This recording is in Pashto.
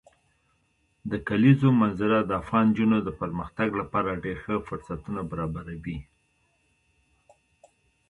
د کلیزو منظره د افغان نجونو د پرمختګ لپاره ډېر ښه فرصتونه برابروي.